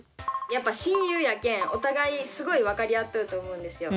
やっぱ親友やけんお互いすごい分かり合っとると思うんですよ。